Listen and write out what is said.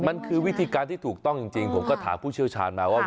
มันคือวิธีการที่ถูกต้องจริงผมก็ถามผู้เชี่ยวชาญมาว่า